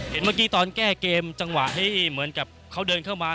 เมื่อกี้ตอนแก้เกมจังหวะให้เหมือนกับเขาเดินเข้ามา